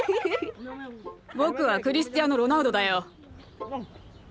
僕はクリスティアーノ・ロナウドだよ。